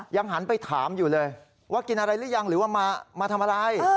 ยังหันไปถามอยู่เลยว่ากินอะไรหรือยังหรือว่ามาทำอะไร